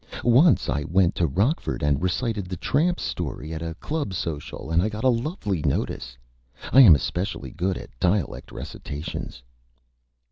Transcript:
Once I went to Rockford and recited "The Tramp's Story" at a Club Social, and I got a Lovely Notice. I am especially good at Dialect Recitations."